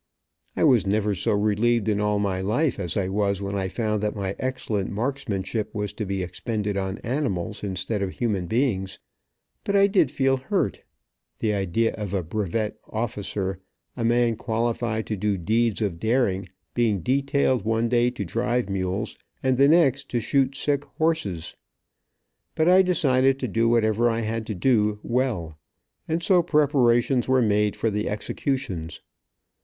I was never so relieved in all my life as I was when I found that my excellent marksmanship was to be expended on animals instead of human beings. But I did feel hurt, the idea of a brevet officer, a man qualified to do deeds of daring, being detailed one day to drive mules and the next to shoot sick horses. But I decided to do whatever I had to do, well, and so preparations were made for the executions.